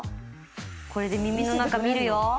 これで耳の中見るよ。